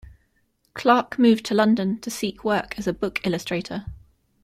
Clarke moved to London to seek work as a book illustrator.